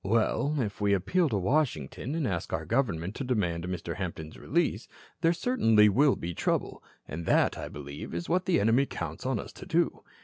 "Well, if we appeal to Washington and ask our government to demand Mr. Hampton's release, there certainly will be trouble. And that, I believe, is what the enemy counts on us to do.